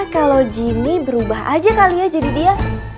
kalo jini berubah aja kali ya jadi dia